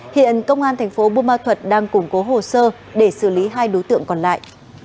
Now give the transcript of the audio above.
hiện công an thành phố bù ma thuật đang củng cố hồ sơ để xử lý hai đối tượng còn lại